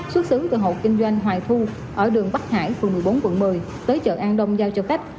xuất xứ từ hộ kinh doanh hoài thu ở đường bắc hải phường một mươi bốn quận một mươi tới chợ an đông giao cho khách